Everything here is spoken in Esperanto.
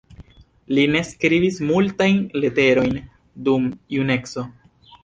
Li ne skribis multajn leterojn dum juneco.